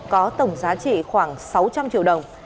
có tổng giá trị khoảng sáu trăm linh triệu đồng